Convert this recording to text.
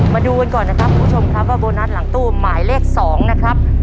มาดูกันก่อนนะครับคุณผู้ชมครับว่าโบนัสหลังตู้หมายเลข๒นะครับ